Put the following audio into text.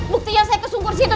buktinya saya kesungkur situ